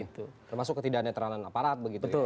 termasuk ketidak netralan aparat